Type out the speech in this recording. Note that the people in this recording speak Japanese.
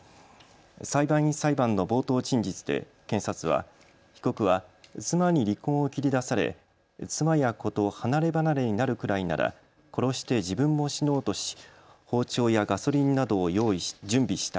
裁判員裁判の冒頭陳述で検察は被告は妻に離婚を切り出され妻や子と離れ離れになるくらいなら殺して自分も死のうとし包丁やガソリンなどを準備した。